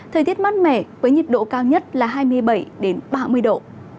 thời tiết mát mẻ với nhiệt độ cao nhất là hai mươi bảy ba mươi độ